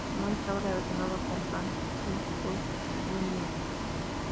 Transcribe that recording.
No estaba relacionado con Franciscus Junius.